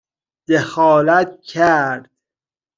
دخالت کرد